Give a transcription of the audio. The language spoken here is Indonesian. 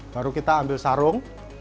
baru kita ambil sarung